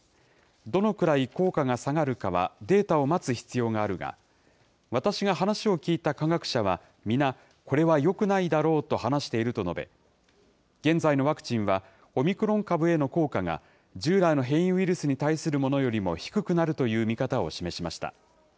どのくらい効果が下がるかはデータを待つ必要があるが、私が話を聞いた科学者は皆、これはよくないだろうと話していると述べ、現在のワクチンはオミクロン株への効果が従来の変異ウイルスに対するものよりも低くなるという見方を示しました。